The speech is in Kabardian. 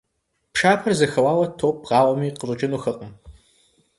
Пшапэр зэхэуауэ, топ бгъауэми, къыщӀэкӀынухэкъым.